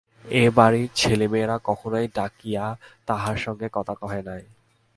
এ বাড়ির ছেলেমেয়েরা কখনও ডাকিয়া তাহার সঙ্গে কথা কহে নাই।